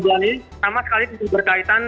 pertama sekali itu berkaitan